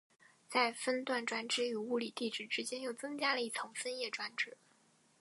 在分段转址与物理地址之间又增加了一层分页转址。